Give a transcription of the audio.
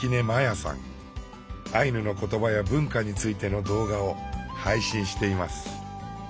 アイヌの言葉や文化についての動画を配信しています。